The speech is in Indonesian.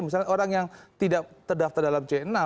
misalnya orang yang tidak terdaftar dalam j enam